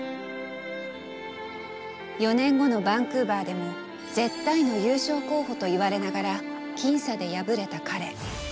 ４年後のバンクーバーでも絶対の優勝候補と言われながら僅差で敗れた彼。